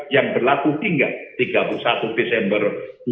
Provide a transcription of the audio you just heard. yang berlaku hingga tiga puluh satu desember dua ribu dua puluh